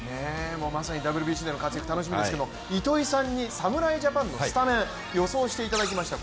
まさにＷＢＣでの活躍楽しみですけれども糸井さんに侍ジャパンのスタメンを予想していただきました。